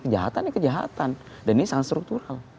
kejahatan ini kejahatan dan ini sangat struktural